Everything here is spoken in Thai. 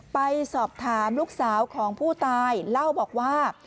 ไปสอบถามลูกสาวของผู้ตายเล่าบอกว่า